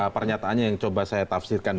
pernyataannya yang coba saya tafsirkan